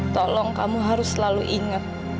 tolong kamu harus selalu ingat